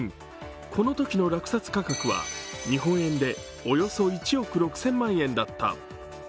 このときの落札価格は日本円でおよそ１億６０００万円だった。